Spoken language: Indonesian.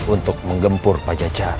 untuk menggempur pajajara